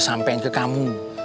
sampaikan ke kamu